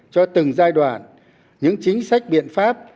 cho từng giai đoạn những chính sách biện pháp